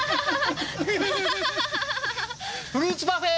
フルーツパフェ！